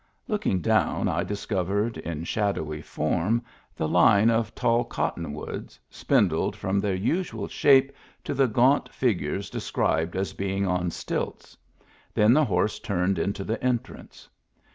Looking down I discovered in shadowy form the line of tall cottonwoods, spindled from their usual shape to the gaunt figures described as being on stilts; then the horse turned into the entrance.